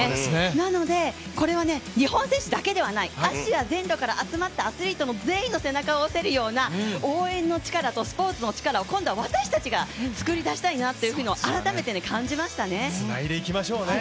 なので日本選手だけではない、アジア全土から集まったアスリートの全員の背中を押せるような、応援の力とスポーツのチカラを今度は私たちが作り出したいなと改めて感じました。